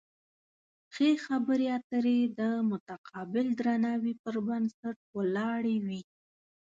ښې خبرې اترې د متقابل درناوي پر بنسټ ولاړې وي.